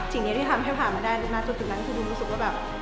สิ่งนี้ที่ทำให้ผ่านมาได้ณจุดนั้นคือบูมรู้สึกว่าแบบ